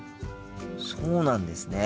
そうなんですね。